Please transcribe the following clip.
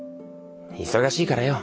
忙しいからよ。